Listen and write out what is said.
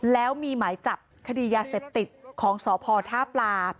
แล้วมีหมายจับคดียาเสพติดของสพท่าปลา